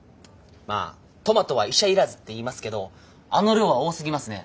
まあトマトは医者いらずって言いますけどあの量は多すぎますね。